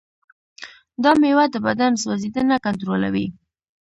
دا مېوه د بدن سوځیدنه کنټرولوي.